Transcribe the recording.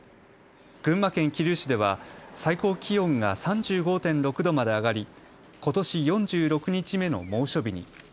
群馬県桐生市では最高気温が３５．６度まで上がりことし４６日目の猛暑日に。